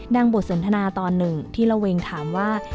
บทสนทนาตอนหนึ่งที่ระเวงถามว่า